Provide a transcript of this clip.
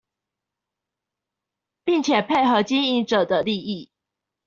並且配合經營者的利益